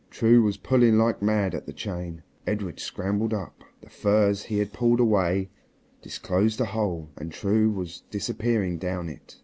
True was pulling like mad at the chain. Edred scrambled up; the furze he had pulled away disclosed a hole, and True was disappearing down it.